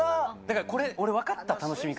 俺、分かった、楽しみ方。